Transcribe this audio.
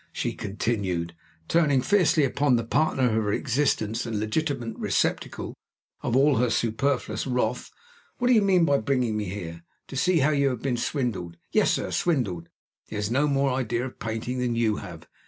she continued, turning fiercely upon the partner of her existence and legitimate receptacle of all her superfluous wrath. "What do you mean by bringing me here, to see how you have been swindled? Yes, sir, swindled! He has no more idea of painting than you have.